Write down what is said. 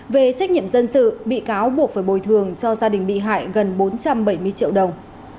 về trách nhiệm dân sự bị cáo buộc phải bồi thường cho gia đình bị hại gần bốn trăm bảy mươi triệu đồng